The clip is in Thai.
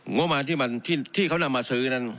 งุมานที่เขานำมาซื้อนั่น